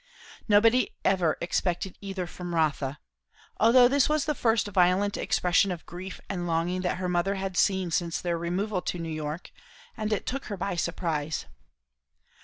Nobody ever expected either from Rotha; although this was the first violent expression of grief and longing that her mother had seen since their removal to New York, and it took her by surprise.